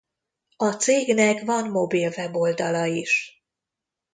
A cégnek van mobil weboldala is.